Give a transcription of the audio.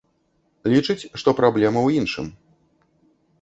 Лічыць, што праблема ў іншым.